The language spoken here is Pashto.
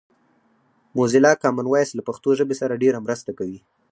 موزیلا کامن وایس له پښتو ژبې سره ډېره مرسته کوي